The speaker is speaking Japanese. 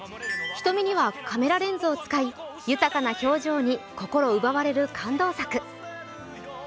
瞳にはカメラレンズを使い、豊かな表情に心奪われる感動作。